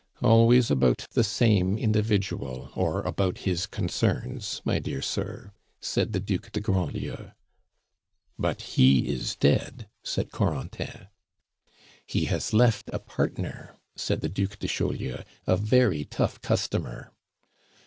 "Always about the same individual, or about his concerns, my dear sir," said the Duc de Grandlieu. "But he is dead," said Corentin. "He has left a partner," said the Duc de Chaulieu, "a very tough customer."